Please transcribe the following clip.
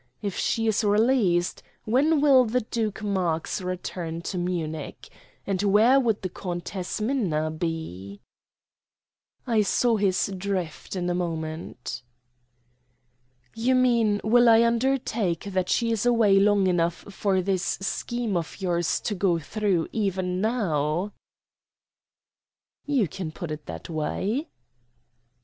If she is released, when will the Duke Marx return to Munich? And where would the Countess Minna be?" I saw his drift in a moment. "You mean, will I undertake that she is away long enough for this scheme of yours to go through even now?" "You can put it that way."